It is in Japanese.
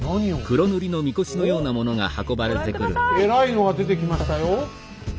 えらいのが出てきましたよ？